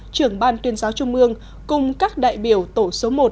trưởng ban tuyên giáo trung ương cùng các đại biểu tổ số một